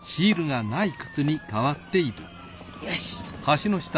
よし。